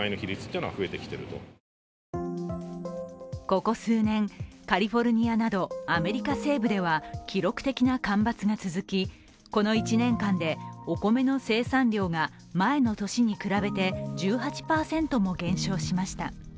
ここ数年、カリフォルニアなどアメリカ西部では記録的な干ばつが続きこの１年間でお米の生産量が前の年に比べて１８％も減少しました。